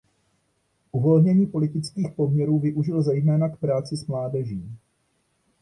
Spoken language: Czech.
Uvolnění politických poměrů využil zejména k práci s mládeží.